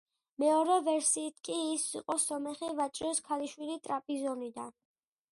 მეორე ვერსიით კი ის იყო სომეხი ვაჭრის ქალიშვილი ტრაპიზონიდან.